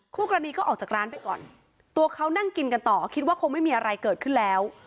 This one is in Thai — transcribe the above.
คู่กรณีก็ออกจากร้านไปก่อนตัวเขานั่งกินกันต่อคิดว่าคงไม่มีอะไรเกิดขึ้นแล้ว